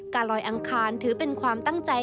ลอยอังคารถือเป็นความตั้งใจ